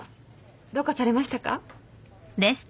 どうかされましたか？